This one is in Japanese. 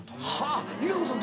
ＲＩＫＡＣＯさん